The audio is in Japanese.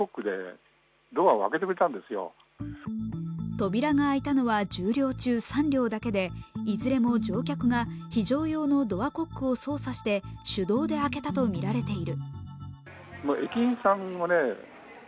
扉が開いたのは１０両中、３両だけでいずれも乗客が非常用のドアコックを操作して手動で開けたとみられている。